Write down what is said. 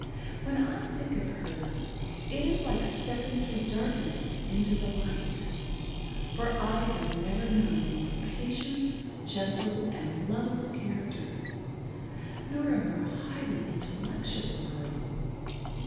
When I think of her, it is like stepping through darkness into the light, for I have never known a more patient, gentle and lovable character, nor a more highly intellectual girl.